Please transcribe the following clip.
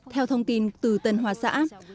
theo thông tin từ tân hòa xã